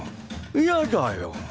嫌だよ。